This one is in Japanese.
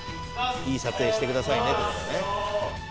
いい撮影してくださいねって事だね」